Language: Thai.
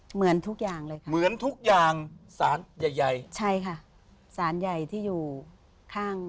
เหมือนทุกอย่างเลยค่ะ